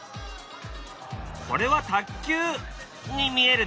これは卓球に見えるでしょ？